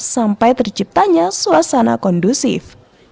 sampai terciptanya suasana kondusif